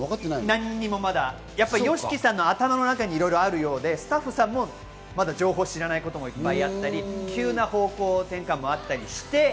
何もまだ、ＹＯＳＨＩＫＩさんの頭の中にいろいろあるようで、スタッフさんも情報を知らないこともあったり、急な方向転換もあったりして。